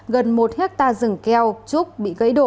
gần một hectare rừng keo trúc bị gây đổ